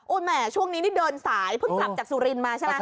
แหม่ช่วงนี้นี่เดินสายเพิ่งกลับจากสุรินทร์มาใช่ไหม